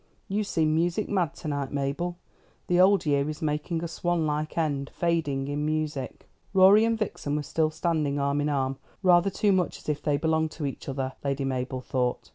You seem music mad to night, Mabel. The old year is making a swan like end fading in music." Rorie and Vixen were still standing arm in arm; rather too much as if they belonged to each other, Lady Mabel thought.